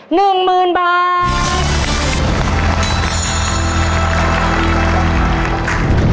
๑หมื่นบาท